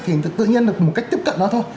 thì tự nhiên được một cách tiếp cận đó thôi